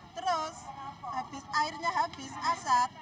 terus airnya habis asap